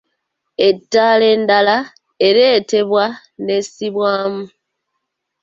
Ettaala endala ereetebwa n’essibwamu.